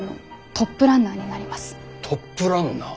トップランナー。